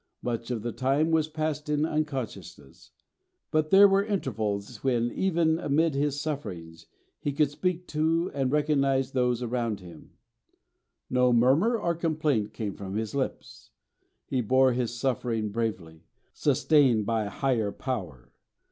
Much of the time was passed in unconsciousness; but there were intervals when, even amid his sufferings, he could speak to and recognise those around him. No murmur or complaint came from his lips; he bore his suffering bravely, sustained by a Higher Power.